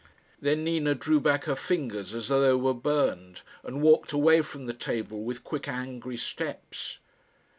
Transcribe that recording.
Then Nina drew back her fingers as though they were burned, and walked away from the table with quick angry steps.